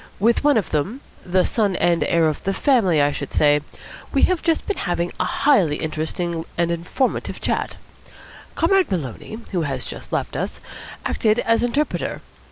With one of them the son and heir of the family, I should say we have just been having a highly interesting and informative chat. Comrade Maloney, who has just left us, acted as interpreter.